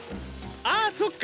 ああそっか。